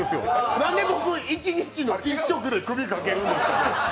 何で僕、一日の１食でクビかけるんですか？